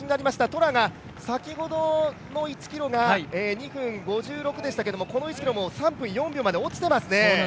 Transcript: トラが先ほどの１ｋｍが２分５６でしたけれども、この１ｋｍもう３分４秒まで落ちていますね。